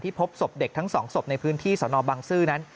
พบศพเด็กทั้งสองศพในพื้นที่สนบังซื้อนั้น